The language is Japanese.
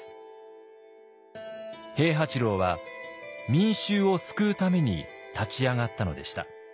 平八郎は民衆を救うために立ち上がったのでした。